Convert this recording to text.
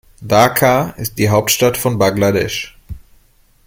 Dhaka ist die Hauptstadt von Bangladesch.